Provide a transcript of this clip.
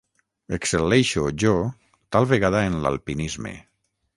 Excel·leixo, jo, tal vegada en l'alpinisme.